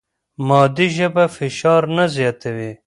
مادي ژبه فشار نه زیاتوي.